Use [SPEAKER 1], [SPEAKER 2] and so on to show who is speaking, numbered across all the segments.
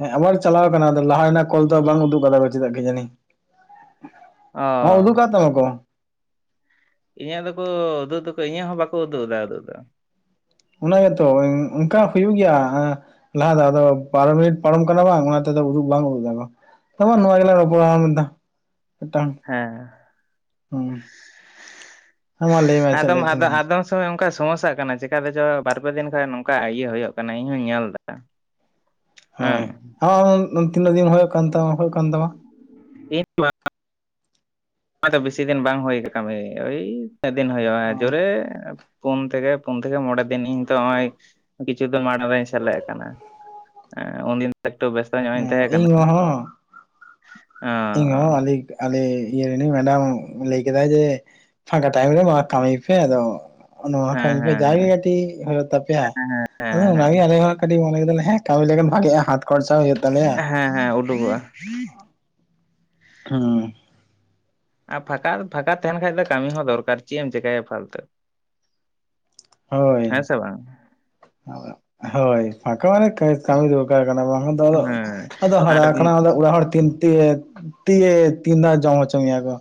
[SPEAKER 1] ᱦᱮᱸ ᱟᱵᱟᱨ ᱪᱟᱞᱟᱣ ᱟᱠᱟᱱᱟ ᱞᱟᱦᱟ ᱨᱮᱱᱟᱜ ᱠᱚᱞ ᱫᱚ ᱵᱟᱝ ᱩᱫᱩᱜ ᱠᱟᱫᱟ ᱪᱮᱫᱟᱜ ᱠᱮ ᱡᱟᱱᱤ᱾
[SPEAKER 2] ᱚ
[SPEAKER 1] ᱦᱚ ᱩᱫᱩᱜ ᱠᱟᱜ ᱛᱟᱢᱟ ᱠᱚ
[SPEAKER 2] ᱤᱧᱟᱹᱜ ᱫᱚᱠᱚ ᱩᱫᱩᱜ ᱫᱟᱠᱚ ᱤᱧᱟᱹᱜ ᱦᱚᱸ ᱵᱟᱠᱚ ᱩᱫᱩᱜ ᱮᱫᱟ ᱩᱫᱩᱜ ᱫᱚ᱾
[SPEAKER 1] ᱚᱱᱟᱜᱮᱛᱚ ᱚᱱᱠᱟ ᱦᱩᱭᱩᱜ ᱜᱮᱭᱟ ᱞᱟᱦᱟ ᱫᱷᱟᱶ ᱫᱚ ᱵᱟᱨᱚ ᱢᱤᱱᱤᱴ ᱯᱟᱨᱚᱢ ᱠᱟᱱᱟ ᱵᱟᱝ ᱚᱱᱟ ᱛᱮᱫᱚ ᱩᱫᱩᱜ ᱵᱟᱝ ᱩᱫᱩᱜ ᱫᱟᱠᱚ᱿ ᱦᱚᱸ ᱢᱟ ᱱᱚᱣᱟ ᱜᱮᱞᱟᱝ ᱨᱚᱯᱚᱲᱟ ᱟᱨ ᱢᱤᱫ ᱫᱷᱟᱣ ᱢᱤᱫᱴᱟᱝ
[SPEAKER 2] ᱦᱮᱸ
[SPEAKER 1] ᱦᱩᱸ ᱦᱮᱸ ᱢᱟ ᱞᱟᱹᱭ ᱢᱮ ᱪᱮᱫ
[SPEAKER 2] ᱟᱫᱚᱢ
[SPEAKER 1] ᱞᱟᱹᱭᱮᱫ ᱛᱟᱦᱮᱸ ᱛᱚᱠᱷᱚᱱ
[SPEAKER 2] ᱟᱫᱚᱢ ᱚᱱᱠᱟ ᱥᱚᱢᱚᱥᱥᱟᱜ ᱠᱟᱱᱟ ᱪᱮᱠᱟᱛᱮ ᱪᱚ ᱵᱟᱨ ᱯᱮ ᱫᱤᱱ ᱠᱷᱚᱱ ᱱᱚᱝᱠᱟ ᱤᱭᱟᱹ ᱦᱩᱭᱩᱜ ᱠᱟᱱᱟ ᱤᱧ ᱦᱚᱸᱧ ᱧᱮᱞ ᱫᱟ᱾
[SPEAKER 1] ᱦᱳᱭ ᱟ ᱛᱤᱱᱟᱹᱜ ᱫᱤᱱ ᱦᱩᱭᱩᱜ ᱠᱟᱱ ᱛᱟᱢᱟ ᱦᱩᱭᱩᱜ ᱠᱟᱱ ᱛᱟᱢᱟ᱾
[SPEAKER 2] ᱤᱧ [inaudible] ᱱᱚᱜ ᱚᱭᱛᱚ ᱵᱮᱥᱤ ᱫᱤᱱ ᱵᱟᱝ ᱦᱩᱭ ᱠᱟᱱᱟ ᱠᱟ. ᱢᱤ ᱳᱭ ᱛᱤᱱᱟ. ᱜ ᱫᱤᱱ ᱦᱩᱭᱩᱜᱼᱟ ᱡᱳᱨᱮ ᱯᱳᱱ ᱛᱷᱮᱠᱮ ᱯᱳᱱ ᱛᱷᱮᱠᱮ ᱢᱚᱬᱮ ᱫᱤᱱ ᱤᱧ ᱛᱚ ᱱᱚᱜ ᱚᱭ ᱠᱤᱪᱷᱩ ᱫᱤᱱ ᱢᱟᱲᱟᱝ ᱨᱮᱧ ᱥᱮᱞᱮᱫ ᱠᱟᱱᱟ ᱩᱱᱫᱤᱱ ᱫᱚ ᱮᱠᱴᱩ ᱵᱮᱥ
[SPEAKER 1] ᱤᱧ ᱦᱚᱸ ᱦᱚᱸ
[SPEAKER 2] ᱚ
[SPEAKER 1] ᱤᱧ ᱦᱚᱸ ᱟᱞᱮ ᱟᱞᱮ ᱤᱭᱟᱹ ᱨᱤᱱᱤᱡ ᱢᱮᱰᱟᱢ ᱞᱟᱹᱭ ᱠᱮᱫᱟ ᱡᱮ ᱯᱷᱟᱸᱠᱟ ᱴᱟᱭᱤᱢ ᱨᱮ ᱱᱚᱣᱟ ᱠᱟᱹᱢᱤ ᱯᱮ ᱟᱫᱚ ᱱᱚᱣᱟ
[SPEAKER 2] ᱦᱮᱸ
[SPEAKER 1] ᱠᱟᱹᱢᱤ ᱯᱮ
[SPEAKER 2] ᱦᱮᱸ
[SPEAKER 1] ᱡᱟᱜᱮ ᱠᱟᱹᱴᱤᱡ ᱦᱩᱭᱩᱜ ᱛᱟᱯᱮᱭᱟ᱾ ᱟᱫᱚ
[SPEAKER 2] ᱦᱮᱸ ᱦᱮᱸ
[SPEAKER 1] ᱚᱱᱟᱜᱮ ᱟᱞᱮ ᱦᱚ ᱠᱟᱹᱴᱤᱡ ᱢᱚᱱ ᱠᱮᱫᱟᱞᱮ ᱠᱟᱹᱢᱤ ᱞᱮᱠᱷᱟᱱ ᱵᱷᱟᱜᱮᱜᱼᱟ ᱦᱟᱛ ᱠᱷᱚᱨᱪᱟ ᱦᱩᱭᱩᱜ ᱛᱟᱞᱮᱭᱟ
[SPEAKER 2] ᱦᱮᱸ ᱦᱮᱸ ᱩᱰᱩᱠᱚᱜᱼᱟ
[SPEAKER 1] ᱦᱩᱸ
[SPEAKER 2] ᱟᱨ ᱯᱷᱟᱸᱠᱟ ᱯᱷᱟᱸᱠᱟ ᱛᱟᱦᱮᱱ ᱠᱷᱟᱡ ᱫᱚ ᱠᱟᱹᱢᱤ ᱦᱚᱸ ᱫᱚᱨᱠᱟᱨ ᱪᱮᱫ ᱮᱢ ᱪᱮᱠᱟᱹᱭᱟ ᱯᱷᱟᱞᱛᱩ᱾
[SPEAKER 1] ᱦᱳᱭ
[SPEAKER 2] ᱦᱮᱸ ᱥᱮ ᱵᱟᱝ
[SPEAKER 1] ᱦᱳᱭ ᱯᱷᱟᱠᱟ ᱢᱟᱱᱮ ᱠᱟᱹᱢᱤ ᱫᱚᱨᱠᱟᱨ ᱠᱟᱱᱟ ᱵᱟᱠᱷᱟᱱ ᱟᱫᱚ
[SPEAKER 2] ᱦᱮᱸ
[SPEAKER 1] ᱟᱫᱚ
[SPEAKER 2] ᱟᱨ
[SPEAKER 1] ᱦᱟᱨᱟ ᱠᱟᱱᱟ ᱟᱫᱚ ᱚᱲᱟᱜ ᱦᱚᱲ ᱛᱤᱱ ᱛᱮ ᱛᱤᱭᱮ ᱛᱤᱱ ᱫᱷᱟᱣ ᱡᱚᱢ ᱦᱚᱪᱚ ᱢᱮᱭᱟ ᱠᱚ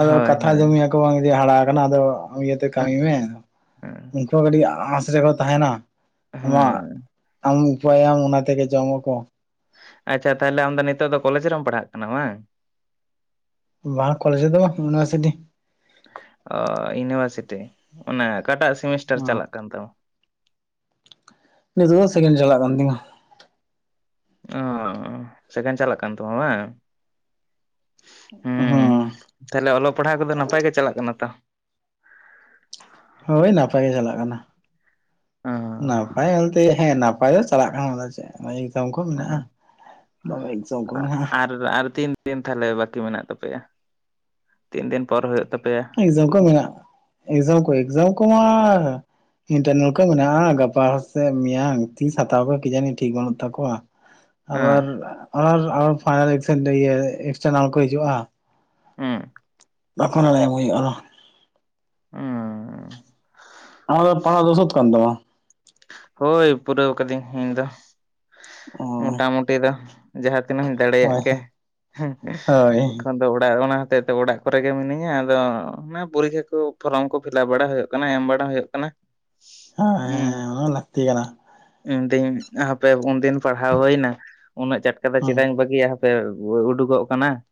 [SPEAKER 1] ᱟᱫᱚ
[SPEAKER 2] ᱦᱳᱭ
[SPEAKER 1] ᱠᱟᱛᱷᱟ ᱟᱡᱚᱢ
[SPEAKER 2] ᱦᱳᱭ
[SPEAKER 1] ᱢᱮᱭᱟ ᱠᱚ ᱵᱟᱝ ᱡᱮ ᱦᱟᱨᱟ ᱠᱟᱱᱟ ᱟᱫᱚ ᱤᱭᱟᱹᱛᱮ ᱠᱟᱹᱢᱤ ᱢᱮ
[SPEAKER 2] ᱦᱮᱸ
[SPEAKER 1] ᱩᱱᱠᱩ ᱦᱚ ᱠᱟᱹᱴᱤᱡ ᱟᱸᱥ ᱨᱮᱠᱚ ᱛᱟᱦᱮᱱᱟ ᱟᱢᱟᱜ
[SPEAKER 2] ᱦᱮᱸ
[SPEAKER 1] ᱟᱢ ᱩᱯᱟᱭᱟᱢ ᱚᱱᱟ ᱛᱮᱜᱮ ᱡᱚᱢ ᱟᱠᱚ
[SPEAKER 2] ᱟᱪᱪᱷᱟ ᱛᱟᱦᱚᱞᱮ ᱟᱢ ᱫᱚ ᱱᱤᱛᱚᱜ ᱫᱚ ᱠᱚᱞᱮᱡᱽ ᱨᱮᱢ ᱯᱟᱲᱦᱟᱜ ᱠᱟᱱᱟ ᱵᱟᱝ
[SPEAKER 1] ᱵᱟ ᱠᱚᱞᱚᱡᱽ ᱨᱮ ᱫᱚ ᱵᱟ ᱤᱭᱩᱱᱤᱵᱷᱟᱨᱥᱤᱴᱤ᱾
[SPEAKER 2] ᱚ ᱤᱭᱩᱱᱤᱵᱷᱟᱨᱥᱤᱴᱤ ᱚᱱᱟ ᱚᱠᱟᱴᱟᱜ ᱥᱮᱢᱤᱥᱴᱟᱨ
[SPEAKER 1] ᱦᱩᱸ
[SPEAKER 2] ᱪᱟᱞᱟᱜ ᱠᱟᱱ ᱛᱟᱢᱟ
[SPEAKER 1] ᱱᱤᱛᱚᱜ ᱫᱚ ᱥᱮᱠᱮᱱᱰ ᱪᱟᱞᱟᱜ ᱠᱟᱱ ᱛᱤᱧᱟᱹ
[SPEAKER 2] ᱚ ᱥᱮᱠᱮᱱ ᱪᱟᱞᱟᱜ ᱠᱟᱱ ᱛᱟᱢᱟ ᱵᱟᱝ᱾
[SPEAKER 1] ᱦᱚ
[SPEAKER 2] ᱛᱟᱦᱚᱞᱮ ᱚᱞᱚᱜ ᱯᱟᱲᱦᱟᱣ ᱠᱚᱫᱚ ᱱᱟᱯᱟᱭ ᱜᱮ ᱪᱟᱞᱟᱜ ᱠᱟᱱᱟ ᱛᱚ
[SPEAKER 1] ᱦᱳᱭ ᱱᱟᱯᱟᱭ ᱜᱮ ᱪᱟᱞᱟᱜ ᱠᱟᱱᱟ
[SPEAKER 2] ᱚ,
[SPEAKER 1] ᱱᱟᱯᱟᱭ ᱵᱚᱞᱛᱮ ᱦᱮ ᱱᱟ ᱱᱟᱯᱟᱭ ᱫᱚ ᱪᱟᱞᱟᱜ ᱠᱟᱱᱟ ᱟᱫᱚ ᱪᱮᱫ ᱮᱠᱡᱟᱢ ᱠᱚ ᱢᱮᱱᱟᱜᱼᱟ ᱮᱠᱡᱟᱢ ᱠᱚ ᱢᱮᱱᱟᱜᱼᱟ᱾
[SPEAKER 2] ᱟᱨ ᱟᱨ ᱛᱤᱱ ᱫᱤᱱ ᱛᱟᱦᱚᱞᱮ ᱵᱟᱹᱠᱤ ᱢᱮᱱᱟᱜ ᱛᱟᱯᱮᱭᱟ ᱛᱤᱱ ᱫᱤᱱ ᱯᱚᱨ ᱦᱩᱭᱩᱜ ᱛᱟᱯᱮᱭᱟ
[SPEAKER 1] ᱮᱠᱡᱟᱢ ᱠᱚ ᱢᱮᱱᱟᱜᱼᱟ ᱮᱠᱡᱟᱢ ᱠᱚ ᱮᱠᱡᱟᱢ ᱠᱚᱢᱟ ᱤᱱᱴᱟᱨᱱᱟᱞᱠᱚ ᱢᱮᱱᱟᱜᱼᱟ ᱜᱟᱯᱟ ᱥᱮᱫ ᱢᱮᱭᱟᱝ ᱛᱤᱥ ᱦᱟᱛᱟᱣ ᱠᱚ ᱠᱤᱡᱟᱱᱤ ᱴᱷᱤᱠ ᱵᱟᱹᱱᱩᱜ ᱛᱟᱠᱚᱣᱟ
[SPEAKER 2] ᱦᱮᱸ
[SPEAKER 1] ᱟᱵᱟᱨ ᱟᱵᱟᱨ ᱯᱷᱟᱭᱮᱱ ᱤᱠᱥᱮᱫ ᱤᱭᱟ. ᱮᱠᱴᱟᱨᱱᱟᱞ ᱠᱚ ᱦᱤᱡᱩᱜᱼᱟ᱾
[SPEAKER 2] ᱮᱸ᱾
[SPEAKER 1] ᱛᱚᱠᱷᱚᱱ ᱱᱚᱲᱮ ᱮᱢ ᱦᱩᱭᱩᱜ-ᱟ᱾
[SPEAKER 2] ᱩᱸ᱾
[SPEAKER 1] ᱟᱢᱟᱜ ᱫᱚ ᱯᱟᱲᱦᱟᱜ ᱫᱚ ᱥᱟᱹᱛ ᱠᱟᱱ ᱛᱟᱢᱟ᱾
[SPEAKER 2] ᱦᱳᱭ ᱯᱩᱨᱟᱹᱣ ᱠᱟᱹᱫᱟᱹᱧ ᱤᱧ ᱫᱚ
[SPEAKER 1] ᱚ
[SPEAKER 2] ᱢᱚᱴᱟᱢᱩᱴᱤ ᱫᱚ ᱡᱟᱦᱟ ᱛᱤᱱᱟᱹᱜ ᱤᱧ ᱫᱟᱲᱮᱭᱟᱜ
[SPEAKER 1] ᱦᱳᱭ
[SPEAKER 2] ᱠᱮᱭᱟ ᱦᱩᱸ
[SPEAKER 1] ᱦᱳᱭ
[SPEAKER 2] ᱮᱠᱷᱚᱱ᱾ ᱟᱫᱚ ᱚᱲᱟᱜ ᱚᱱᱟ ᱦᱚᱛᱮᱫ ᱛᱮ ᱚᱲᱟᱜ ᱠᱚᱨᱮ ᱜᱮ ᱢᱤᱱᱟᱹᱧᱟ ᱟᱫᱚ ᱚᱻ ᱚᱱᱟ ᱯᱚᱨᱤᱠᱷᱟ ᱠᱚ ᱯᱷᱚᱨᱚᱢ ᱠᱚ ᱯᱷᱤᱞᱟᱯ ᱵᱟᱲᱟ ᱦᱳᱭᱳᱜ ᱠᱟᱱᱟ ᱮᱢ ᱵᱟᱲᱟ ᱦᱳᱭᱳᱜ ᱠᱟᱱᱟ
[SPEAKER 1] ᱦᱮᱸ
[SPEAKER 2] ᱩᱸ
[SPEAKER 1] ᱚᱱᱟ ᱞᱟᱹᱠᱛᱤ ᱠᱟᱱᱟ
[SPEAKER 2] ᱩᱱ ᱫᱤᱱ ᱦᱟᱯᱮ ᱩᱱ ᱫᱤᱱ ᱯᱟᱲᱦᱟᱣ ᱦᱳᱭ ᱮᱱᱟ ᱩᱱᱟᱹᱜ ᱪᱟᱴᱠᱟ ᱫᱚ
[SPEAKER 1] ᱦᱩᱸ
[SPEAKER 2] ᱪᱮᱫᱟᱜ ᱤᱧ ᱵᱟᱹᱜᱤᱭᱟ ᱦᱟᱯᱮ ᱚᱻ ᱩᱰᱩᱠᱚᱜ ᱠᱟᱱᱟ᱾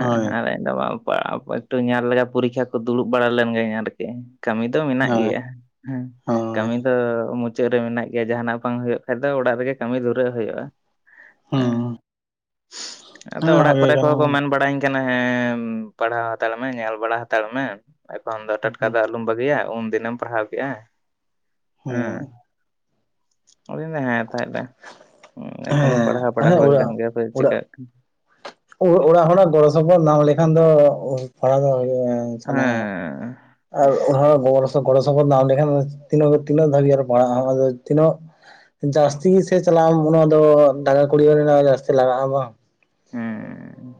[SPEAKER 1] ᱦᱳᱭ
[SPEAKER 2] ᱟᱨ ᱮᱠ ᱫᱚ ‌ᱵᱟᱢ ᱯᱟᱲᱦᱟᱣ ᱠᱚᱜ ᱮᱠᱴᱩ ᱧᱮᱞ ᱞᱮᱜᱟ ᱯᱚᱨᱤᱠᱠᱷᱟ ᱠᱚ ᱫᱩᱲᱩᱵ ᱵᱟᱲᱟ ᱞᱮᱱ ᱜᱤᱧ ᱟᱨᱠᱤ᱾ ᱠᱟᱹᱢᱤ ᱫᱚ ᱢᱮᱱᱟᱜ
[SPEAKER 1] ᱦᱳᱭ
[SPEAKER 2] ᱜᱮᱭᱟ᱾ ᱦᱮᱸ
[SPEAKER 1] ᱦᱳᱭ
[SPEAKER 2] ᱠᱟᱢᱤ ᱫᱚ ᱢᱩᱪᱟᱹᱫ ᱨᱮ ᱢᱮᱱᱟᱜ ᱜᱮᱭᱟ ᱡᱟᱦᱟᱸ ᱱᱟᱜ ᱵᱟᱝ ᱦᱩᱭᱩᱜ ᱠᱷᱟᱡ ᱫᱚ ᱚᱲᱟᱜ ᱨᱮᱜᱮ ᱠᱟᱢᱤ ᱫᱷᱩᱨᱟᱹᱜ ᱦᱳᱭᱳᱜ-ᱟ᱾ ᱮᱸ
[SPEAKER 1] ᱦᱩᱸ
[SPEAKER 2] ᱟᱫᱚ
[SPEAKER 1] ᱦᱮᱸ
[SPEAKER 2] ᱚᱲᱟᱜ
[SPEAKER 1] ᱵᱷᱟᱜᱮ
[SPEAKER 2] ᱠᱚᱨᱮ
[SPEAKER 1] ᱠᱟᱱᱟ
[SPEAKER 2] ᱠᱚᱦᱚ ᱠᱚ
[SPEAKER 1] ᱦᱩᱸ
[SPEAKER 2] ᱢᱮᱱ ᱵᱟᱲᱟᱧ ᱠᱟᱱᱟ ᱦᱮᱸ ᱯᱟᱲᱦᱟᱣ ᱦᱟᱛᱟᱲ ᱢᱮ ᱧᱮᱞ ᱵᱟᱲᱟ ᱦᱟᱛᱟᱲ ᱢᱮ ᱮᱠᱷᱚᱱ ᱫᱚ ᱴᱟᱴᱠᱟ
[SPEAKER 1] ᱦᱩᱸ
[SPEAKER 2] ᱫᱚ ᱟᱞᱩᱢᱼᱼ ᱵᱟᱹᱜᱤᱭᱟ ᱩᱱ ᱫᱤᱱᱮᱢ ᱯᱟᱲᱦᱟᱣ ᱠᱮᱜ-ᱟ ᱮᱸ᱾
[SPEAKER 1] ᱦᱳᱭ
[SPEAKER 2] ᱟᱫᱩᱧ ᱢᱮᱱ ᱫᱟ ᱦᱮᱸ ᱛᱟᱦᱮᱞᱮ‌ ᱩᱸᱻ ᱮᱠᱷᱚᱱ ᱫᱚ
[SPEAKER 1] ᱦᱮᱸ
[SPEAKER 2] ᱯᱟᱲᱦᱟᱣ ᱵᱟᱲᱟ
[SPEAKER 1] ᱦᱮᱸ
[SPEAKER 2] ᱦᱩᱭ ᱞᱮᱱ ᱜᱮ ᱦᱟᱯᱮ ᱪᱤᱠᱟᱹᱜ ᱠᱟ
[SPEAKER 1] ᱳ ᱚᱲᱟᱜ ᱦᱚᱲᱟᱜ ᱜᱚᱲᱚ ᱥᱚᱯᱚᱦᱚᱫ ᱱᱟᱢ ᱞᱮᱠᱷᱟᱱ ᱫᱚ ᱚᱻᱞ ᱯᱟᱲᱦᱟᱣ ᱫᱚ ᱤᱭᱟᱹ ᱥᱟᱱᱟᱣᱟ᱾
[SPEAKER 2] ᱮᱸ᱾
[SPEAKER 1] ᱟᱨ ᱚᱲᱟᱜ ᱦᱚᱲᱟᱜ ᱜᱚᱲᱚ ᱥᱚ ᱜᱚᱲᱚ ᱥᱚᱯᱚᱦᱚᱫ ᱱᱟᱢ ᱞᱮᱠᱷᱟᱱ ᱛᱤᱱᱟᱹᱜ ᱦᱟᱹᱵᱤ ᱛᱤᱱᱟᱹᱜ ᱫᱷᱟᱹᱵᱤᱡ ᱟᱨᱚ ᱯᱟᱲᱦᱟᱜ-ᱟᱢ ᱟᱫᱚ ᱛᱤᱱᱟᱹᱜ᱾ ᱡᱟᱥᱛᱤ ᱜᱮ ᱥᱮ ᱪᱟᱞᱟᱜ ᱟᱢ ᱩᱱᱟᱹᱜ ᱫᱚ ᱫᱟᱜᱟ ᱠᱩᱲᱤᱭᱟᱹ ᱨᱮᱱᱟᱜ ᱡᱟᱥᱛᱤ ᱞᱟᱜᱟᱜ-ᱟ ᱵᱟᱝ᱾
[SPEAKER 2] ᱦᱩᱸᱻ᱾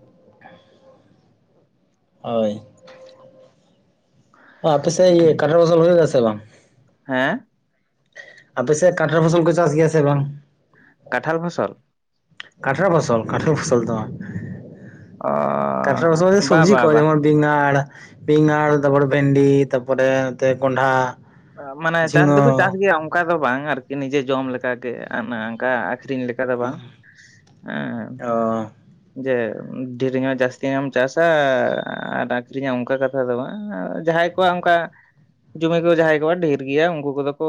[SPEAKER 1] ᱦᱳᱭ᱾ ᱚ ᱟᱯᱮ ᱥᱮᱜ ᱤᱭᱟᱹ ᱠᱟᱰᱟᱨ ᱵᱚᱫᱚᱞ ᱦᱩᱭᱩᱜ ᱜᱮᱭᱟ ᱥᱮ ᱵᱟᱝ?
[SPEAKER 2] ᱦᱮᱸᱼᱼ
[SPEAKER 1] ᱟᱯᱮ ᱥᱮᱜ ᱠᱟᱴᱷᱮᱨ ᱯᱷᱚᱥᱚᱞ ᱠᱚ ᱪᱟᱥ ᱜᱮᱭᱟ ᱥᱮ ᱵᱟᱝ?
[SPEAKER 2] ᱠᱟᱴᱷᱟᱞ ᱯᱷᱚᱥᱚᱞ᱾
[SPEAKER 1] ᱠᱟᱴᱷᱮᱨ ᱯᱷᱚᱥᱚᱞ ᱠᱟᱴᱷᱟᱞ ᱯᱷᱚᱥᱚᱞ ᱫᱚ ᱵᱟᱝ
[SPEAKER 2] ᱚᱻ
[SPEAKER 1] ᱠᱟᱴᱷᱮᱨ ᱯᱷᱚᱥᱚᱞ ᱫᱚ
[SPEAKER 2] ᱵᱟ
[SPEAKER 1] ᱥᱚᱵᱽᱡᱤ
[SPEAKER 2] ᱵᱟ
[SPEAKER 1] ᱠᱚ
[SPEAKER 2] ᱵᱟ
[SPEAKER 1] ᱡᱮᱢᱚᱱ ᱵᱤᱸᱜᱟᱲ ᱵᱤᱸᱜᱟᱲ ᱛᱟᱯᱚᱲᱮ ᱵᱷᱮᱱᱰᱤ ᱛᱟᱯᱚᱨᱮ ᱱᱚᱛᱮ ᱠᱚᱱᱰᱷᱟ᱾
[SPEAKER 2] ᱟᱻ ᱢᱟᱱᱮ ᱪᱟᱥ ᱫᱚᱠᱚ ᱪᱟᱥ ᱜᱮᱭᱟ ᱚᱱᱠᱟ ᱫᱚ ᱵᱟᱝ ᱟᱨᱠᱤ ᱱᱤᱡᱮ ᱡᱚᱢ ᱞᱮᱠᱟ ᱜᱮ ᱚᱱᱟ ᱟᱝᱠᱟ ᱟᱠᱷᱨᱤᱧ ᱞᱮᱠᱼᱼ ᱠᱟ ᱫᱚ ᱵᱟᱝ ᱮᱸ᱾
[SPEAKER 1] ᱚ
[SPEAKER 2] ᱡᱮ ᱰᱷᱤᱨᱤ ᱧᱚᱜ ᱡᱟᱥᱛᱤ ᱧᱚᱜ ᱮᱢ ᱪᱟᱥᱟ ᱟᱨ ᱟᱠᱷᱨᱤᱧᱟᱢ‌ ᱚᱱᱠᱟ ᱠᱟᱛᱷᱟ ᱫᱚ ᱵᱟᱝ ᱟᱨ ᱡᱟᱦᱟᱸᱭ ᱠᱚᱣᱟᱜ ᱚᱱᱠᱟ ᱡᱩᱢᱤ ᱠᱚ ᱡᱟᱦᱟᱸᱭ ᱠᱚᱣᱟᱜ ᱰᱷᱮᱨ ᱜᱮᱭᱟ ᱩᱱᱠᱩ ᱠᱚᱫᱚ ᱠᱚ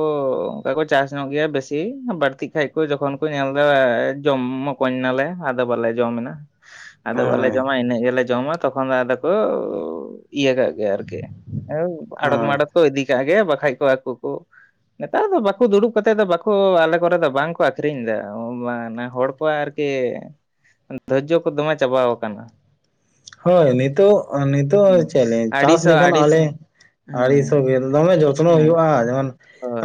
[SPEAKER 2] ᱚᱱᱠᱟ ᱠᱚ ᱪᱟᱥ ᱧᱚᱜ ᱜᱮᱭᱟ ᱵᱮᱥᱤ ᱵᱟᱲᱛᱤᱜᱼᱼ ᱠᱷᱟᱡ ᱠᱚ ᱡᱚᱠᱷᱚᱱ ᱠᱚ ᱧᱮᱞ ᱫᱟ ᱮᱻ ᱡᱚᱢ ᱢᱚᱠᱚᱧ ᱱᱟᱞᱮ ᱟᱫᱚ ᱵᱟᱞᱮ ᱡᱚᱢ ᱮᱱᱟ ᱟᱫᱚ ᱵᱟᱞᱮ
[SPEAKER 1] ᱦᱳᱭ
[SPEAKER 2] ᱡᱚᱢᱟ ᱤᱱᱟᱹᱜ ᱜᱮᱞᱮᱼᱼ ᱡᱚᱢᱟ ᱛᱚᱠᱷᱚᱱ ᱫᱚ ᱟᱫᱚ ᱠᱚ ᱳᱻ ᱤᱭᱟᱹ ᱠᱟᱜ ᱜᱮ ᱟᱨᱠᱤ ᱳᱣ ᱟᱲᱚᱛ
[SPEAKER 1] ᱦᱳᱭ
[SPEAKER 2] ᱢᱟᱲᱚᱛ᱾ ᱠᱚ ᱤᱫᱤ ᱠᱟᱜ ᱜᱮ ᱵᱟᱠᱷᱟᱡ ᱠᱚ ᱟᱠᱚ ᱠᱚᱼᱼ ᱱᱮᱛᱟᱨ ᱫᱚ ᱵᱟᱠᱚ ᱫᱩᱲᱩᱵ ᱠᱟᱛᱮᱜ ᱫᱚ ᱵᱟᱠᱚ ᱟᱞᱮ ᱠᱚᱨᱮ ᱫᱚ ᱵᱟᱝ ᱠᱚ ᱟᱠᱷᱨᱤᱧ ᱫᱟ ᱚᱻ ᱱᱟ ᱦᱚᱲ ᱠᱚ ᱟᱨᱼᱼ ᱠᱮ ᱫᱷᱚᱡᱡᱚ ᱠᱚ ᱫᱚᱢᱮ ᱪᱟᱵᱟᱣ ᱠᱟᱱᱟ᱾
[SPEAKER 1] ᱦᱳᱭ ᱱᱤᱛᱳᱜ ᱱᱤᱛᱚᱜ
[SPEAKER 2] ᱦᱩᱸ
[SPEAKER 1] ᱪᱮᱜ ᱞᱤᱧ ᱪᱟᱥ
[SPEAKER 2] ᱟᱹᱲᱤᱥᱚᱜ
[SPEAKER 1] ᱞᱮᱠᱷᱟᱱ ᱦᱚᱸ
[SPEAKER 2] ᱟᱹᱲᱤᱥ
[SPEAKER 1] ᱟᱞᱮ
[SPEAKER 2] ᱦᱮᱸ
[SPEAKER 1] ᱟᱲᱤ ᱥᱚᱵᱤᱞ ᱫᱚᱢᱮ ᱡᱚᱛᱱᱚ
[SPEAKER 2] ᱦᱮᱸ
[SPEAKER 1] ᱦᱩᱭᱩᱜ-ᱟ ᱡᱮᱢᱚᱱ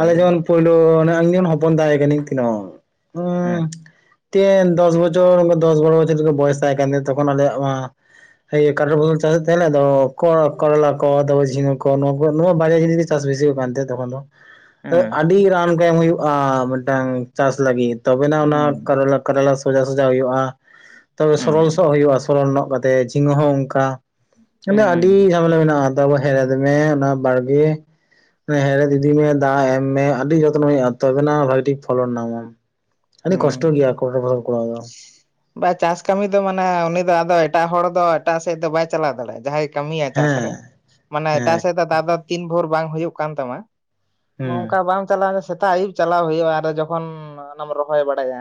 [SPEAKER 1] ᱟᱞᱮ ᱡᱮᱢᱚᱱ
[SPEAKER 2] ᱦᱮᱸ
[SPEAKER 1] ᱯᱳᱭᱞᱳ ᱚᱱᱟ ᱤᱱᱟᱹᱱ ᱦᱚᱯᱚᱱ ᱛᱟᱸᱦᱮ ᱠᱟᱹᱱᱟᱹᱧ ᱛᱤᱱᱟᱹᱜ ᱚᱸᱭᱻ
[SPEAKER 2] ᱦᱮᱸ
[SPEAKER 1] ᱛᱮᱱ ᱫᱚᱥ ᱵᱚᱪᱷᱚᱨ ᱚᱱᱠᱟ ᱫᱚᱥ ᱵᱟᱨᱚ ᱵᱚᱪᱷᱚᱨ ᱡᱚᱠᱷᱚᱡ ᱵᱚᱭᱮᱥ ᱛᱟᱸᱦᱮ ᱠᱟᱱ ᱛᱤᱧᱟ ᱛᱚᱠᱷᱚᱱ ᱟᱞᱮᱭᱟᱜ ᱢᱟ ᱤᱭᱟᱹ ᱠᱟᱴᱨᱟ ᱯᱷᱚᱥᱚᱞ ᱪᱟᱥᱮ ᱛᱮᱦᱮᱸᱜ ᱞᱮ ᱟᱫᱚ ᱠᱚᱨᱚᱞ ᱠᱚᱨᱚᱞᱟ ᱠᱚ ᱟᱫᱚ ᱡᱷᱤᱝᱜᱟᱹ ᱠᱚ ᱱᱚᱣᱟ ᱠᱚ ᱱᱚᱣᱟ ᱵᱟᱨᱭᱟ ᱡᱤᱱᱤᱥ ᱪᱟᱥ ᱵᱮᱥᱤ ᱦᱩᱭᱩᱜ ᱠᱟᱱ ᱛᱮᱦᱮᱸᱜ ᱛᱚᱠᱷᱚᱱ ᱫᱚ᱾ ᱟᱹᱜ
[SPEAKER 2] ᱦᱮᱸ
[SPEAKER 1] ᱟᱰᱤ ᱨᱟᱱ ᱠᱚ ᱮᱢ ᱦᱩᱭᱩᱜ-ᱟ ᱢᱤᱫᱴᱟᱝ ᱪᱟᱥ ᱞᱟᱹᱜᱤᱫ ᱛᱚᱵᱮ ᱱᱟᱜ ᱚᱱᱟ ᱠᱟᱨᱚᱞᱟ ᱠᱟᱨᱚᱞᱟ ᱥᱚᱡᱟ ᱥᱟᱡᱟ ᱦᱩᱭᱩᱜ-ᱟ, ᱛᱚᱵᱮ
[SPEAKER 2] ᱦᱮᱸ
[SPEAKER 1] ᱥᱚᱨᱚᱞ ᱥᱚᱜ ᱦᱩᱭᱩᱜ-ᱟ ᱥᱚᱨᱚᱞ ᱱᱚᱜ ᱠᱟᱛᱮᱜ ᱡᱷᱤᱸᱜᱟᱹ ᱦᱚᱸ ᱚᱝᱠᱟ ᱦᱟᱱᱮ ᱟᱰᱤ
[SPEAKER 2] ᱦᱮᱸ
[SPEAKER 1] ᱡᱷᱟᱢᱮᱞᱟ ᱢᱮᱱᱟᱜ-ᱟ ᱛᱟᱯᱚᱨ ᱦᱮᱲᱮᱫᱽ ᱢᱮ ᱚᱱᱟ ᱵᱟᱲᱜᱮ᱾ ᱦᱮᱸ ᱦᱮᱲᱮᱫᱽ ᱤᱫᱤ ᱢᱮ ᱫᱟᱜ ᱮᱢ ᱢᱮ ᱟᱰᱤ ᱡᱚᱛᱱᱚ ᱦᱩᱭᱩᱜ-ᱟ, ᱛᱚᱵᱮᱱᱟ ᱵᱷᱟᱜᱤ ᱴᱷᱤᱠ ᱯᱷᱚᱞᱚᱱ ᱱᱟᱢ ᱢᱟᱢ᱾ ᱟᱹᱰᱤ
[SPEAKER 2] ᱦᱮᱸ
[SPEAKER 1] ᱠᱚᱥᱴᱚ ᱜᱮᱭᱟ ᱠᱚᱴᱨᱚ ᱯᱷᱚᱥᱚᱞ ᱠᱚᱨᱟ ᱫᱚ᱾
[SPEAKER 2] ᱵᱟ ᱪᱟᱥ ᱠᱟᱢᱤ ᱫᱚ ᱢᱟᱱᱮ ᱩᱱᱤ ᱫᱚ ᱟᱫᱚ ᱮᱴᱟᱜ ᱦᱚᱲ ᱫᱚ ᱮᱴᱟᱜ ᱥᱮᱜ ᱫᱚ ᱵᱟᱭ ᱪᱟᱞᱟᱣ ᱫᱟᱲᱮᱜ-ᱟ, ᱡᱟᱦᱟᱸᱭ ᱠᱟᱢᱤᱭᱟ ᱪᱟᱥ
[SPEAKER 1] ᱦᱮᱸ
[SPEAKER 2] ᱨᱮ ᱢᱟᱱᱮ ᱮᱴᱟᱜ
[SPEAKER 1] ᱦᱮᱸ
[SPEAKER 2] ᱥᱮᱜ ᱫᱚ ᱟᱫᱚ ᱛᱤᱱ ᱵᱷᱳᱨ ᱵᱟᱝ ᱦᱩᱭᱩᱜ ᱠᱟᱱ ᱛᱟᱢᱟ ᱾ ᱵᱚ
[SPEAKER 1] ᱦᱩᱸ
[SPEAKER 2] ᱚᱝᱠᱟ ᱵᱟᱢ ᱪᱟᱞᱟᱣ ᱥᱮᱛᱟᱜ ᱟᱹᱭᱩᱵ ᱪᱟᱞᱟᱣ ᱦᱩᱭᱩᱜ-ᱟ ᱟᱨ ᱡᱚᱠᱷᱚᱱ ᱟᱨ ᱚᱱᱟᱢ ᱨᱚᱦᱚᱭ ᱵᱟᱲᱟᱭᱟ,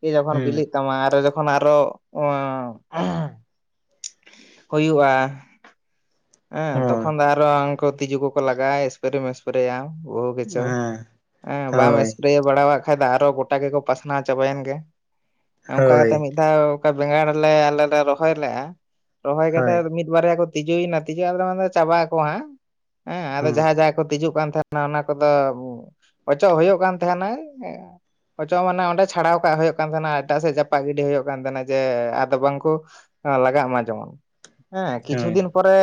[SPEAKER 2] ᱯᱷᱤᱨ ᱡᱚᱠᱷᱚᱱ
[SPEAKER 1] ᱦᱩᱸ
[SPEAKER 2] ᱵᱤᱞᱤᱜ ᱛᱟᱢᱟ ᱟᱨᱚ ᱡᱚᱠᱷᱚᱱ ᱟᱨᱚ ᱚᱶᱚ ᱦᱩᱭᱩᱜᱼᱟ ᱾ ᱮᱸ
[SPEAKER 1] ᱦᱳᱭ
[SPEAKER 2] ᱛᱚᱠᱷᱚᱱ ᱫᱚ ᱟᱨᱚ ᱩᱝᱠᱩ ᱛᱤᱡᱩ ᱠᱚᱠᱚ ᱞᱟᱜᱟᱜᱼᱟ ᱮᱥ ᱯᱨᱮ ᱢᱮᱥ ᱯᱨᱮᱭᱟᱢ ᱵᱚᱦᱩ ᱠᱤᱪᱷᱩ
[SPEAKER 1] ᱦᱮᱸ
[SPEAKER 2] ᱦᱮᱸ ᱵᱟᱢ
[SPEAKER 1] ᱦᱳᱭ
[SPEAKER 2] ᱮᱥᱯᱨᱮ ᱵᱟᱲᱟᱣᱟᱜ ᱠᱷᱟᱡ ᱫᱚ ᱟᱨᱚ ᱜᱚᱴᱟ ᱜᱮᱠᱚ ᱯᱟᱥᱱᱟᱣ ᱪᱟᱵᱟᱭᱮᱱ ᱜᱮ, ᱚᱝᱠᱟ
[SPEAKER 1] ᱦᱳᱭ
[SPEAKER 2] ᱠᱟᱛᱮ ᱢᱤᱫ ᱫᱷᱟᱣ ᱚᱠᱟ ᱵᱮᱸᱜᱟᱲ ᱞᱮ ᱟᱞᱮ ᱞᱮ ᱨᱚᱦᱚᱭ ᱞᱮᱜᱼᱟ, ᱨᱚᱦᱚᱭ ᱠᱟᱛᱮ
[SPEAKER 1] ᱦᱳᱭ
[SPEAKER 2] ᱢᱤᱫ ᱵᱟᱨᱭᱟ ᱠᱚ ᱛᱤᱡᱩᱭᱮᱱᱟ ᱾ ᱛᱤᱡᱩ ᱟᱞᱮᱫᱚ ᱢᱮᱱᱫᱟ ᱪᱟᱵᱟᱜ ᱟᱠᱚ ᱦᱟᱸᱜ, ᱦᱮᱸ ᱟᱫᱚ
[SPEAKER 1] ᱦᱩᱸ
[SPEAKER 2] ᱡᱟᱦᱟᱸ ᱡᱟᱦᱟᱸᱭ ᱠᱚ ᱛᱤᱡᱩᱜ ᱠᱟᱱ ᱛᱟᱦᱮᱸ ᱚᱱᱟ ᱚᱱᱟ ᱠᱚᱫᱚ ᱚᱪᱚᱜ ᱦᱳᱭᱳᱜ ᱠᱟᱱ ᱛᱟᱦᱮᱸᱱᱟ ᱾ ᱚᱪᱚᱜ ᱢᱟᱱᱮ ᱚᱸᱰᱮ ᱪᱷᱟᱰᱟᱣ ᱠᱟᱜ ᱦᱩᱭᱩᱜ ᱠᱟᱱ ᱛᱟᱦᱮᱱᱟ ᱮᱴᱟᱜ ᱥᱮᱫ ᱪᱟᱯᱟᱜ ᱜᱤᱰᱤ ᱦᱩᱭᱩᱜ ᱠᱟᱱ ᱛᱟᱦᱮᱱᱟ ᱡᱮ ᱟᱫᱚ ᱵᱟᱝᱠᱩ ᱱᱚᱣᱟ ᱞᱟᱜᱟᱜ ᱢᱟ ᱡᱮᱢᱚᱱ, ᱦᱮᱸ ᱠᱤᱪᱷᱩ
[SPEAKER 1] ᱦᱳᱭ
[SPEAKER 2] ᱫᱤᱱ ᱯᱚᱨ ᱨᱮᱻ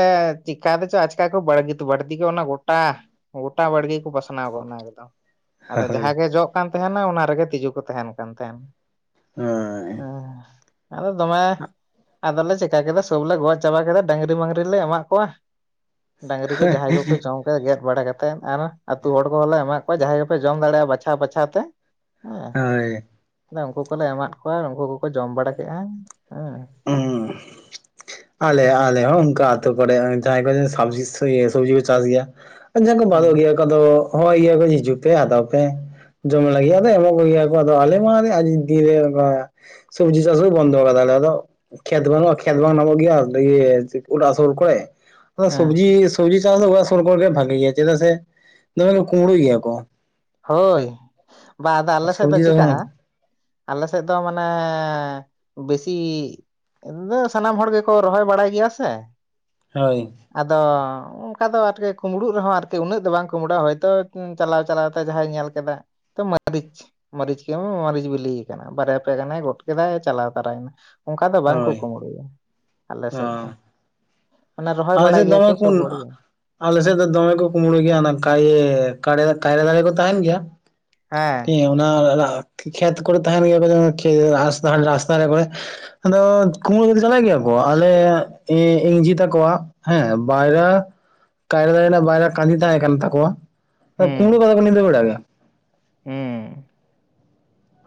[SPEAKER 2] ᱪᱤᱠᱟᱹ ᱛᱮ ᱪᱚ ᱟᱪᱠᱟ ᱠᱚ ᱵᱟᱲᱜᱤᱛ ᱵᱟᱲᱛᱤ ᱜᱚᱫ ᱱᱟ ᱜᱚᱴᱟ ᱜᱚᱴᱟ ᱵᱟᱲᱜᱮ ᱠᱚ ᱯᱟᱥᱱᱟᱣ ᱜᱚᱫ ᱮᱱᱟ ᱮᱠᱫᱚᱢ ᱾ ᱟᱫᱚ
[SPEAKER 1] ᱦᱳᱭ
[SPEAKER 2] ᱡᱟᱦᱟᱸᱜᱮ ᱡᱚᱜ ᱠᱟᱱ ᱛᱟᱦᱮᱸᱱᱟ ᱚᱱᱟ ᱨᱮᱜᱮ ᱛᱤᱡᱩ ᱠᱚ ᱛᱟᱦᱸᱮᱱ ᱠᱟᱱ ᱛᱟᱦᱮᱸᱱ
[SPEAKER 1] ᱦᱳᱭ
[SPEAKER 2] ᱾ ᱮᱸ ᱟᱫᱚ ᱫᱚᱢᱮ ᱟᱫᱚᱞᱮ ᱪᱮᱠᱟ ᱠᱮᱫᱟ ᱥᱚᱵ ᱞᱮ ᱜᱚᱡ ᱪᱟᱵᱟ ᱠᱮᱫᱟ ᱰᱟᱹᱝᱨᱤ ᱢᱟᱹᱝᱨᱤ ᱞᱮ ᱮᱢᱟᱜ ᱠᱚᱣᱟ ᱾ ᱰᱟᱝᱨᱤ ᱠᱚ ᱡᱟᱦᱟᱸᱭ ᱠᱚᱠᱚ ᱡᱚᱢ ᱨᱮ ᱜᱮᱫ ᱵᱟᱲᱟ ᱠᱟᱛᱮᱫ ᱟᱨ ᱟᱹᱛᱩ ᱦᱚᱲ ᱠᱚᱦᱚᱸᱞᱮ ᱮᱢᱟᱜ ᱠᱚᱣᱟ ᱡᱟᱦᱟᱸᱭ ᱜᱮᱯᱮ ᱡᱚᱢ ᱫᱟᱲᱮᱭᱟᱜᱼᱟ ᱵᱟᱪᱷᱟᱣ ᱵᱟᱪᱷᱟᱣ ᱛᱮ ᱾ ᱦᱮᱸ,
[SPEAKER 1] ᱦᱳᱭ
[SPEAKER 2] ᱮᱫᱟ ᱩᱝᱠᱩ ᱠᱚᱞᱮ ᱮᱢᱟᱫ ᱠᱚᱣᱟ ᱟᱨ ᱩᱝᱠᱩ ᱠᱚᱠᱚ ᱡᱚᱢ ᱵᱟᱲᱟ ᱠᱮᱫᱟ, ᱦᱮᱸ ᱾
[SPEAKER 1] ᱩᱸ ᱾ ᱟᱞᱮ ᱟᱞᱮ ᱦᱚᱸ ᱚᱱᱠᱟ ᱟᱹᱛᱩ ᱠᱚᱲᱮᱜ ᱡᱟᱦᱟᱸᱭ ᱠᱚ ᱥᱟᱵᱡᱤ ᱥᱚᱭ ᱤᱭᱟᱹ ᱥᱚᱵᱽᱡᱤ ᱠᱚ ᱪᱟᱥ ᱜᱮᱭᱟ ᱾ ᱡᱟᱦᱟᱸᱭ ᱠᱚ ᱵᱟᱫᱚᱜ
[SPEAKER 2] ᱦᱮᱸ
[SPEAKER 1] ᱜᱮᱭᱟ ᱠᱚ ᱟᱫᱚ ᱦᱚᱜ ᱤᱭᱟᱹ ᱠᱚᱡ ᱦᱤᱡᱩᱜ ᱯᱮ ᱦᱟᱛᱟᱣ ᱯᱮ ᱾ ᱡᱚᱢ ᱞᱟᱹᱜᱤᱜ ᱟᱫᱚ ᱮᱢᱚᱜ ᱠᱚᱜᱮᱭᱟ ᱠᱚ ᱟᱫᱚ ᱟᱞᱮ ᱢᱟ ᱟᱫᱚ ᱟᱹᱰᱤ ᱫᱤᱱ ᱨᱮ ᱚᱱᱠᱟ ᱥᱚᱵᱡᱤ ᱪᱟᱥ ᱦᱚᱸ ᱵᱚᱱᱫᱚ ᱠᱟᱫᱟ ᱟᱞᱮ ᱟᱫᱚ ᱠᱷᱮᱛ ᱵᱟᱱᱩᱜᱼᱟ, ᱠᱷᱮᱛ ᱵᱟᱝ ᱱᱟᱢᱚᱜ ᱜᱮᱭᱟ ᱞᱤᱭᱟᱹ ᱪᱮᱜ ᱠᱚ ᱚᱲᱟᱜ ᱥᱩᱨ ᱠᱚᱨᱮᱜ ᱚᱱᱟ ᱥᱚᱵᱽᱡᱤ ᱥᱚᱵᱽᱡᱤ ᱪᱟᱥ ᱫᱚ ᱚᱲᱟᱜ ᱥᱩᱨ ᱠᱚᱨᱮ ᱜᱮ ᱵᱷᱟᱜᱤᱭᱟ, ᱪᱮᱫᱟᱜ ᱥᱮ ᱫᱚᱢᱮᱜᱮ ᱠᱩᱢᱲᱩᱭ ᱜᱮᱭᱟ ᱠᱚ ᱾
[SPEAKER 2] ᱦᱳᱭ, ᱵᱟ ᱟᱫᱚ ᱟᱞᱮ ᱥᱮᱫ ᱫᱚ
[SPEAKER 1] ᱥᱚᱵᱡᱤ
[SPEAKER 2] ᱪᱤᱠᱟᱜᱼᱟ!
[SPEAKER 1] ᱪᱟᱥ
[SPEAKER 2] ᱟᱞᱮ ᱥᱮᱫ ᱫᱚ ᱢᱟᱱᱮᱻ ᱵᱮᱥᱤ ᱮᱻᱫᱚ ᱥᱟᱱᱟᱢ ᱦᱚᱲ ᱜᱮᱠᱚ ᱨᱚᱦᱚᱭ ᱵᱟᱲᱟᱭ ᱜᱮᱭᱟ ᱥᱮ ᱾
[SPEAKER 1] ᱦᱳᱭ ᱾
[SPEAKER 2] ᱟᱫᱚ ᱚᱱᱠᱟ ᱫᱚ ᱟᱨᱠᱤ ᱠᱩᱢᱲᱩᱜ ᱨᱮᱦᱚᱸ ᱟᱨᱠᱤ ᱩᱱᱟᱹᱜ ᱫᱚ ᱵᱟᱝ ᱠᱩᱢᱲᱩᱜᱼᱟ, ᱦᱚᱭᱛᱚ ᱪᱟᱞᱟᱣᱼᱪᱟᱞᱟᱣ ᱛᱮ ᱡᱟᱦᱟᱸᱭ ᱧᱮᱞ ᱠᱮᱫᱟ, ᱛᱚ ᱢᱟᱹᱨᱤᱪᱷ ᱢᱟᱹᱨᱤᱪ ᱠᱮᱢ ᱢᱟᱹᱨᱤᱪ ᱵᱤᱞᱤᱭ ᱠᱟᱱᱟ ᱵᱟᱨᱭᱟ ᱯᱮᱭᱟ ᱜᱟᱱᱮ ᱜᱚᱫ ᱠᱮᱫᱟᱭ ᱪᱟᱞᱟᱣ ᱛᱟᱨᱟᱭᱮᱱᱟ ᱾ ᱚᱝᱠᱟ ᱫᱚ ᱵᱟᱝ ᱠᱚ
[SPEAKER 1] ᱦᱳᱭ
[SPEAKER 2] ᱠᱩᱢᱲᱩᱭᱟ ᱟᱞᱮ ᱥᱮᱫ ᱫᱚ
[SPEAKER 1] ᱚ
[SPEAKER 2] ᱾ ᱢᱟᱱᱮ ᱨᱚᱦᱚᱭ ᱵᱟᱰᱟᱭ ᱜᱮᱭᱟ ᱠᱚ ᱥᱚᱵ ᱦᱚᱲ ᱜᱮ ᱾
[SPEAKER 1] ᱟᱞᱮᱥᱮᱫ ᱫᱚ ᱫᱚᱢᱮ ᱠᱚ ᱠᱩᱢᱲᱩᱭ ᱜᱮᱭᱟ ᱚᱱᱟ ᱠᱟᱭᱮ ᱠᱟᱲᱭᱟᱫᱟ ᱠᱟᱭᱨᱟ ᱫᱟᱨᱮ ᱠᱚ ᱛᱟᱦᱮᱸᱱ ᱜᱮᱭᱟ ᱾
[SPEAKER 2] ᱦᱮᱸ
[SPEAKER 1] ᱦᱮ ᱚᱱᱟ ᱚᱱᱟ ᱠᱷᱮᱛ ᱠᱚᱨᱮ ᱛᱟᱦᱮᱱ ᱜᱮᱭᱟ [unintelligible] ᱨᱟᱥ ᱨᱟᱥᱛᱟ ᱨᱮ ᱵᱚᱞᱮ ᱟᱫᱚ ᱠᱩᱢᱲᱩ ᱠᱟᱛᱮ ᱪᱟᱞᱟᱜ ᱜᱮᱭᱟ ᱠᱚ ᱟᱞᱮ ᱤᱧ ᱤᱧᱡᱷᱤ ᱛᱟᱠᱚᱣᱟᱜ? ᱦᱮᱸ ᱵᱟᱭᱨᱟ ᱠᱟᱭᱨᱟ ᱫᱟᱨᱮ ᱨᱮᱱᱟᱜ ᱵᱟᱭᱨᱟ ᱠᱟᱸᱫᱷᱤ ᱛᱟᱦᱮᱸ ᱠᱟᱱ ᱛᱟᱠᱚᱣᱟ ᱛᱚ ᱠᱩᱢᱲᱩ
[SPEAKER 2] ᱦᱩᱸ
[SPEAKER 1] ᱠᱟᱫᱟᱼᱼ ᱩᱱᱤ ᱫᱚᱭ ᱵᱟᱰᱟᱭ ᱜᱮᱭᱟ᱾
[SPEAKER 2] ᱦᱩᱸ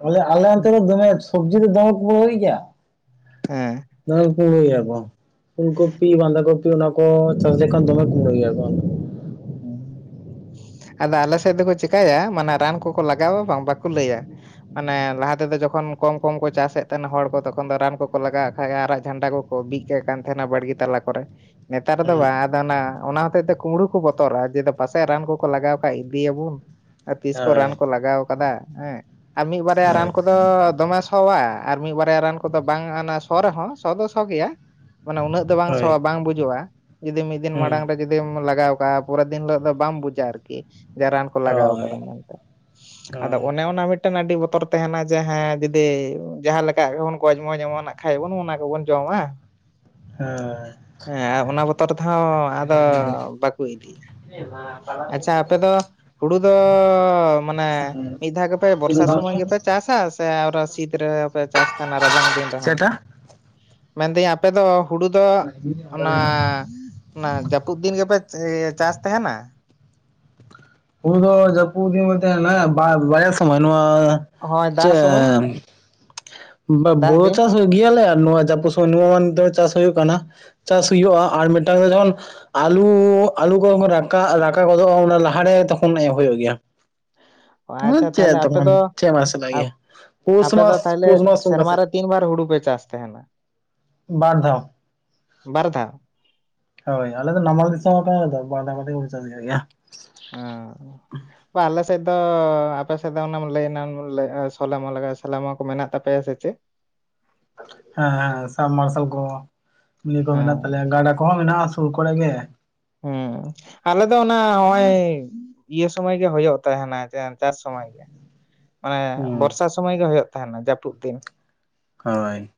[SPEAKER 1] ᱵᱚᱞᱮ ᱟᱞᱮ ᱚᱱᱛᱮ ᱨᱮ ᱫᱚᱢᱮ ᱥᱚᱵᱡᱤ ᱫᱚ ᱫᱚᱢᱮ ᱠᱚ ᱠᱩᱢᱲᱩᱭ ᱜᱮᱭᱟ᱾
[SPEAKER 2] ᱦᱮᱸ
[SPEAKER 1] ᱫᱚᱢᱮ ᱠᱚ ᱠᱩᱢᱲᱩᱭ ᱜᱤᱭᱟ ᱠᱚ ᱯᱩᱞᱠᱚᱯᱤ ᱵᱟᱸᱫᱷᱟ ᱠᱚᱯᱤ ᱚᱱᱟ ᱠᱚ ᱪᱟᱥ ᱡᱚᱠᱷᱚᱱ ᱫᱚᱢᱮ ᱠᱩᱢᱲᱩᱭ ᱜᱮᱭᱟ ᱠᱚ᱾
[SPEAKER 2] ᱟᱫᱚ ᱟᱞᱮ ᱥᱮᱫ ᱫᱚᱠᱚ ᱪᱮᱠᱟᱭᱟ ᱢᱟᱱᱮ ᱨᱟᱱ ᱠᱚᱠᱚ ᱞᱟᱜᱟᱣᱟ ᱵᱟᱝ ᱵᱟᱠᱚ ᱞᱟᱹᱭᱟ᱾ ᱢᱟᱱᱮ ᱞᱟᱦᱟ ᱛᱮᱫᱚ ᱡᱚᱠᱷᱚᱱ ᱠᱚᱢ ᱠᱚᱢ ᱠᱚ ᱪᱟᱥᱮᱫ ᱛᱟᱦᱮᱱ ᱦᱚᱲ ᱠᱚ ᱛᱚᱠᱷᱚᱱ ᱫᱚ ᱨᱟᱱ ᱠᱚᱠᱚ ᱞᱟᱜᱟᱣᱟᱜ ᱠᱷᱟᱱ ᱟᱨᱟᱜ ᱡᱷᱟᱱᱰᱟ ᱠᱚᱼᱼ ᱠᱚ ᱵᱤᱫ ᱠᱟᱜ ᱠᱟᱱ ᱛᱟᱦᱮᱸᱱᱟ ᱵᱟᱲᱜᱤ ᱛᱟᱞᱟ ᱠᱚᱨᱮ ᱱᱮᱛᱟᱨ ᱫᱚ
[SPEAKER 1] ᱦᱮᱸ
[SPEAKER 2] ᱵᱟᱝ ᱟᱫᱚ ᱚᱱᱟ ᱚᱱᱟ ᱦᱚᱛᱮᱡ ᱛᱮ ᱠᱩᱢᱲᱩᱼᱼ ᱠᱚ ᱵᱚᱛᱚᱨᱟᱜᱼᱟ ᱡᱮ ᱯᱟᱥᱮᱡ ᱨᱟᱱ ᱠᱚᱠᱚ ᱞᱟᱜᱟᱣ ᱠᱷᱟᱡ ᱤᱫᱤᱭᱟᱵᱩᱱ᱾ ᱟᱨ ᱛᱤᱥ ᱠᱚ ᱨᱟᱱ
[SPEAKER 1] ᱦᱳᱭ
[SPEAKER 2] ᱠᱚ ᱞᱟᱜᱟᱣ ᱟᱠᱟᱫᱟ ᱦᱮᱸ ᱟᱨ ᱢᱤᱫ ᱵᱟᱨᱭᱟ
[SPEAKER 1] ᱦᱳᱭ
[SPEAKER 2] ᱨᱟᱱ ᱠᱚᱫᱚ ᱫᱚᱢᱮᱼᱼ ᱥᱚᱣᱟ ᱟᱨ ᱢᱤᱫ ᱵᱟᱨᱭᱟ ᱨᱟᱱ ᱠᱚᱫᱚ ᱵᱟᱝ ᱚᱱᱟ ᱥᱚ ᱨᱮᱦᱚᱸ ᱥᱚ ᱫᱚ ᱥᱚ ᱜᱮᱭᱟ ᱢᱟᱱᱮ ᱩᱱᱟᱹᱜᱼᱼ ᱫᱚ ᱵᱟᱝ ᱥᱚᱣᱟ ᱵᱟᱝ ᱵᱩᱡᱩᱜᱼᱟ ᱡᱩᱫᱤ ᱢᱤᱫ ᱫᱤᱱ ᱢᱟᱲᱟᱝ ᱨᱮ ᱡᱩᱫᱤᱢ ᱞᱟᱜᱟᱣᱼᱼ ᱛᱟ ᱯᱚᱨᱮ ᱫᱤᱱ ᱦᱤᱞᱚᱜ ᱫᱚ ᱵᱟᱢ ᱵᱩᱡᱟ ᱟᱨᱠᱤ᱾ ᱡᱮ ᱨᱟᱱ ᱠᱚ ᱞᱟᱜᱟᱣ ᱟᱠᱟᱫᱟ ᱢᱮᱱᱛᱮ ᱟᱫᱚ ᱚᱱᱮ ᱚᱱᱟ ᱢᱤᱫᱼᱼ ᱢᱤᱫᱴᱮᱱ ᱟᱹᱰᱤ ᱵᱚᱛᱚᱨ ᱛᱟᱦᱮᱱᱟ ᱡᱮ ᱦᱮᱸ ᱡᱩᱫᱤ ᱡᱟᱦᱟᱸ ᱞᱮᱠᱟ ᱜᱮ ᱵᱚᱱ ᱜᱚᱡ [unintelligible] ᱡᱮᱢᱚᱱᱼᱼ ᱦᱮᱸ ᱚᱱᱮ ᱚᱱᱟ ᱠᱚᱵᱚᱱ ᱡᱚᱢᱟ᱾ ᱦᱮᱸ ᱟᱨ ᱚᱱᱟ ᱵᱚᱛᱚᱨ ᱛᱮᱦᱚᱸ ᱟᱫᱚ ᱵᱟᱠᱚ ᱤᱫᱤᱭᱟ᱾ ᱟᱪᱷᱟ ᱟᱯᱮ ᱫᱚ ᱦᱩᱲᱩ ᱫᱚᱻ ᱢᱟᱱᱮ ᱢᱤᱫ ᱫᱷᱟᱣ ᱜᱮᱯᱮ ᱵᱚᱨᱥᱟ ᱥᱚᱢᱚᱭ ᱜᱮᱯᱮ ᱪᱟᱥᱟ ᱥᱮ ᱟᱨ ᱥᱤᱛ ᱨᱮᱯᱮ ᱪᱟᱥ ᱛᱟᱦᱮᱱᱟ ᱨᱟᱵᱟᱝᱼᱼ ᱫᱤᱱ ᱨᱮᱦᱚᱸ ᱢᱮᱱᱫᱤᱧ ᱟᱯᱮ ᱫᱚ ᱦᱩᱲᱩ ᱫᱚ ᱚᱱᱟᱼᱼ ᱚᱱᱟ ᱡᱟᱹᱯᱩᱫ ᱫᱤᱱ ᱜᱮᱯᱮ ᱮ ᱪᱟᱥ ᱛᱟᱦᱮᱸᱱᱟ?
[SPEAKER 1] ᱩᱱ ᱫᱚ ᱡᱟ. ᱯᱩᱫ ᱫᱤᱱ ᱵᱚᱱ ᱛᱟᱦᱮᱞᱮᱱᱟ ᱵᱟᱭ ᱵᱟᱭᱟᱥ ᱥᱚᱢᱚᱭ ᱱᱚᱶᱟᱼᱼ
[SPEAKER 2] ᱦᱳᱭ ᱫᱟᱜ ᱥᱚᱢᱚᱭ
[SPEAKER 1] ᱪᱮᱫ [inaudible]
[SPEAKER 2] ᱫᱟᱜ
[SPEAKER 1] [inaudible]
[SPEAKER 2] ᱫᱤᱱ
[SPEAKER 1] ᱪᱟᱥ [unintelligible] ᱜᱤᱭᱟᱞᱮ ᱟᱨ ᱱᱚᱶᱟ [unintelligible] ᱱᱚᱶᱟ ᱫᱚ ᱪᱟᱥ ᱦᱩᱭᱩᱜ ᱠᱟᱱᱟ ᱪᱟᱥ ᱦᱩᱭᱩᱜᱼᱟ ᱟᱨ ᱢᱤᱫᱴᱟᱝ ᱫᱚ ᱡᱮᱢᱚᱱᱼᱼ ᱟᱞᱩ ᱟᱞᱩ ᱠᱚ ᱦᱚᱸ ᱠᱚ ᱨᱟᱠᱟᱜ ᱨᱟᱠᱟᱜ ᱜᱚᱫᱚᱜᱼᱟ ᱚᱱᱟ ᱞᱟᱦᱟᱨᱮ ᱛᱚᱠᱷᱚᱱ [unintelligible] ᱦᱩᱭᱩᱜ ᱜᱮᱭᱟ᱾ ᱦᱚᱸ
[SPEAKER 2] ᱟᱪᱪᱷᱟ
[SPEAKER 1] ᱪᱮᱫ
[SPEAKER 2] ᱛᱟᱦᱚᱞᱮ ᱟᱯᱮ
[SPEAKER 1] ᱛᱚᱠᱷᱚᱱ
[SPEAKER 2] ᱫᱚ
[SPEAKER 1] ᱪᱮᱫ ᱵᱟᱝ ᱥᱟᱱᱟ ᱜᱮᱭᱟ ᱯᱩᱥ
[SPEAKER 2] ᱟᱯᱮ ᱫᱚ
[SPEAKER 1] ᱢᱟᱥ
[SPEAKER 2] ᱛᱟᱦᱚᱞᱮ
[SPEAKER 1] ᱯᱩᱥ ᱢᱟᱥ ᱥᱩᱨ
[SPEAKER 2] ᱥᱮᱨᱢᱟ
[SPEAKER 1] ᱟᱥᱮ?
[SPEAKER 2] ᱨᱮ ᱛᱤᱱ ᱵᱟᱨ ᱦᱩᱲᱩ ᱯᱮ ᱪᱟᱥ ᱛᱟᱦᱮᱱᱟ?
[SPEAKER 1] ᱵᱟᱨ ᱫᱷᱟᱣ᱾
[SPEAKER 2] ᱵᱟᱨ ᱫᱷᱟᱣ?
[SPEAKER 1] ᱦᱚᱭ ᱟᱞᱮ ᱫᱚ ᱱᱟᱢᱟᱞ ᱫᱤᱥᱚᱢ ᱨᱮ [unintelligible] [unintelligible]
[SPEAKER 2] ᱚ ᱵᱟ ᱟᱞᱮ ᱥᱮᱫ ᱫᱚ ᱟᱯᱮ ᱥᱮᱫ ᱫᱚ ᱚᱱᱟᱢ ᱞᱟ. ᱭᱟᱱᱟᱢ [unintelligible] ᱥᱟᱞᱟᱢᱟ ᱠᱚ ᱢᱮᱱᱟᱜ ᱛᱟᱯᱮᱭᱟ ᱥᱮ ᱪᱮᱫ?
[SPEAKER 1] ᱦᱮᱸ ᱦᱮᱸ ᱥᱟᱵ ᱢᱟᱨᱥᱟᱞ ᱠᱚᱦᱚᱸᱤᱭᱟ. ᱠᱚ ᱢᱮᱱᱟᱜ
[SPEAKER 2] ᱦᱮᱸ
[SPEAKER 1] ᱛᱟᱞᱮᱭᱟ ᱜᱟᱰᱟ ᱠᱚᱦᱚᱸ ᱢᱮᱱᱟᱜᱼᱟ᱾ ᱥᱩᱨ ᱠᱚᱨᱮ ᱜᱮ?
[SPEAKER 2] ᱦᱩᱸ ᱟᱞᱮ ᱫᱚ ᱚᱱᱟ ᱦᱚᱜᱼᱚᱭᱼᱼ ᱤᱭᱟᱹ ᱥᱚᱢᱚᱭ ᱜᱮ ᱦᱩᱭᱩᱜ ᱛᱟᱦᱮᱱᱟ ᱡᱟᱦᱟᱱ ᱥᱚᱢᱚᱭ ᱜᱮ᱾ ᱢᱟᱱᱮ
[SPEAKER 1] ᱦᱩᱸ
[SPEAKER 2] ᱵᱚᱨᱥᱟ ᱥᱚᱢᱚᱭ ᱜᱮ ᱦᱚᱭᱚᱜ ᱛᱟᱦᱮᱱᱟ ᱡᱟᱹᱯᱩᱫ ᱫᱤᱱ
[SPEAKER 1] ᱦᱚᱭ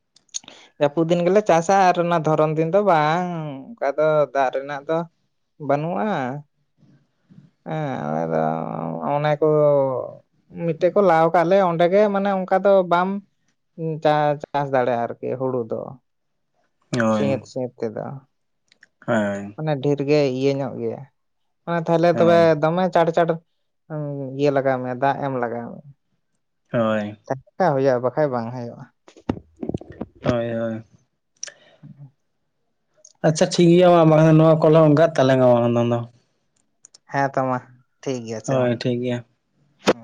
[SPEAKER 2] ᱡᱟᱹᱯᱩᱫ ᱫᱤᱱ ᱜᱮᱞᱮ ᱪᱟᱥᱟ ᱟᱨ ᱚᱱᱟ ᱫᱷᱚᱨᱚᱱ ᱫᱤᱱ ᱫᱚ ᱵᱟᱝ ᱚᱱᱠᱟ ᱫᱚ ᱫᱟᱜ ᱨᱮᱱᱟᱜ ᱫᱚ ᱵᱟᱹᱱᱩᱜ-ᱟ ᱦᱮᱸ ᱟᱞᱮ ᱫᱚ ᱚᱱᱟ ᱠᱚ ᱢᱤᱫ ᱴᱮᱡ ᱠᱚ ᱞᱟᱣ ᱟᱠᱟᱫ ᱞᱮ ᱚᱸᱰᱮ ᱜᱮ ᱢᱟᱱᱮ ᱚᱱᱠᱟ ᱫᱚ ᱵᱟᱢ ᱪ ᱪᱟᱥ ᱫᱟᱲᱮᱭᱟᱜ-ᱟ ᱟᱨᱠᱤ ᱦᱩᱲᱩ ᱫᱚ
[SPEAKER 1] ᱦᱳᱭ
[SPEAKER 2] ᱥᱮᱵᱽ ᱥᱮᱵᱽ ᱛᱮᱫᱚ
[SPEAKER 1] [unintelligible]
[SPEAKER 2] ᱢᱟᱱᱮ ᱰᱷᱮᱨ ᱜᱮ ᱤᱭᱟᱹ ᱧᱚᱜ ᱜᱮᱭᱟ ᱢᱟᱱᱮ ᱛᱟᱦᱞᱮ ᱛᱚᱵᱮ
[SPEAKER 1] ᱦᱳᱭ
[SPEAKER 2] ᱫᱚᱢᱮ [unintelligible] ᱩ ᱤᱭᱟᱹ ᱞᱟᱜᱟᱣ ᱢᱮ ᱫᱟᱜ ᱮᱢ ᱞᱟᱜᱟᱣ ᱢᱮ
[SPEAKER 1] ᱦᱳᱭ
[SPEAKER 2] [unintelligible] ᱦᱩᱭᱩᱜᱼᱟ, ᱵᱟᱠᱷᱟᱡ ᱵᱟᱝ ᱦᱩᱭᱩᱜᱼᱟ
[SPEAKER 1] ᱦᱳᱭ ᱦᱳᱭ
[SPEAKER 2] [inaudible]
[SPEAKER 1] ᱟᱪᱪᱷᱟ ᱴᱷᱤᱠ ᱜᱮᱭᱟ ᱢᱟ ᱱᱚᱣᱟ [unintelligible]
[SPEAKER 2] ᱦᱮᱸ ᱛᱚ ᱢᱟ ᱴᱷᱤᱠ ᱜᱮᱭᱟ ᱟᱪᱷᱟ ᱢᱟ
[SPEAKER 1] ᱦᱳᱭ ᱴᱷᱤᱠ ᱜᱮᱭᱟ
[SPEAKER 2] ᱦᱮᱸ᱾